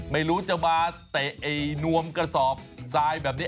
ไม่รู้จะมาเตะไอ้นวมกระสอบทรายแบบนี้